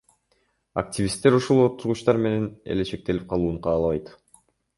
Активисттер ушул отургучтар менен эле чектелип калууну каалабайт.